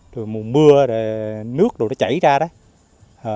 rồi mùa mưa nước đồ nó chảy ra đó